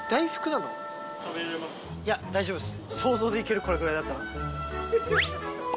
いや大丈夫っす。